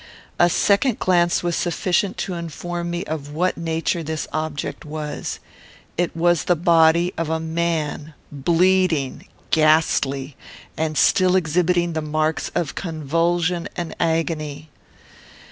A second glance was sufficient to inform me of what nature this object was. It was the body of a man, bleeding, ghastly, and still exhibiting the marks of convulsion and agony!